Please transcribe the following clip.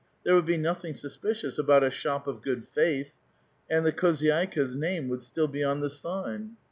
There would be nothing suspicious about ^' a shop of good faith," and the kliozyatkdJs name would still be on the sign.